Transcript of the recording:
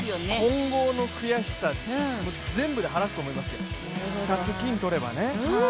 混合の悔しさ、全部ではらすと思いますよ、２つ金とればね。